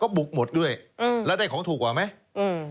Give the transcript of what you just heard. บุกหมดด้วยอืมแล้วได้ของถูกกว่าไหมอืม